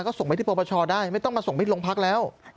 ก็ส่งไปที่โปรประชาได้ไม่ต้องมาส่งไปที่โรงพักษณ์แล้ว